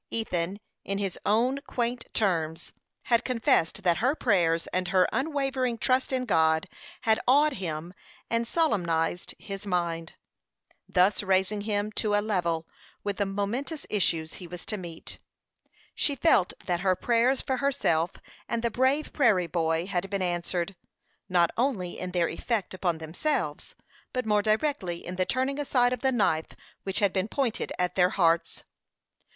Ethan, in his own quaint terms, had confessed that her prayers and her unwavering trust in God had awed him and solemnized his mind, thus raising him to a level with the momentous issues he was to meet. She felt that her prayers for herself and the brave prairie boy had been answered, not only in their effect upon themselves, but more directly in the turning aside of the knife which had been pointed at their hearts.